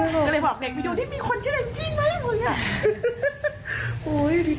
ใส่มาครับเลยบอกไปในดีวอีกที่มีคนใช้ร่ายจริงไหมคแต่วันนี้